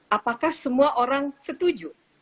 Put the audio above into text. apakah semua orang setuju